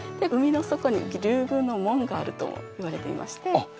海の底に竜宮の門があるとも言われていまして。